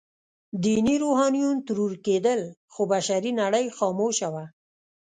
ديني روحانيون ترور کېدل، خو بشري نړۍ خاموشه وه.